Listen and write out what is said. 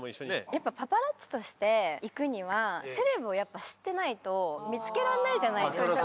やっぱパパラッチとして行くにはセレブをやっぱ知ってないと見つけられないじゃないですか。